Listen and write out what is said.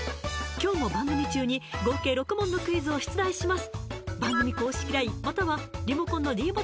今日も番組中に合計６問のクイズを出題します